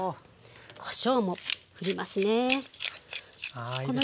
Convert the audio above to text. こしょうもふりますね。